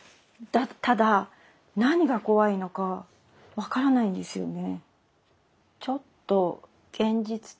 ただ何が怖いのか分からないんですよね。